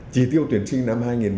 chỉ tiêu tuyển sinh năm